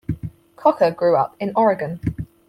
Kocher grew up in Oregon.